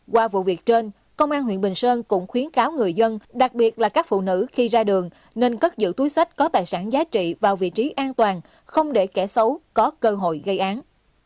qua vụ việc trên công an huyện bình sơn cũng khuyến cáo người dân đặc biệt là các phụ nữ khi ra đường nên cất giữ túi sách có tài sản giá trị vào vị trí an toàn không để kẻ xấu có cơ hội gây án